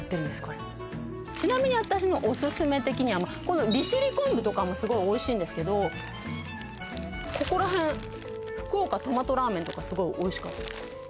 これちなみに私のオススメ的にはこの利尻昆布とかもすごいおいしいんですけどここらへん福岡とまとラーメンとかすごいおいしかったです